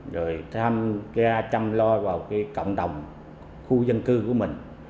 rồi tham gia chăm lo vào cộng đồng khu dân cư của mình